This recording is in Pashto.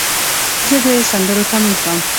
زه د سندرو تمرین کوم.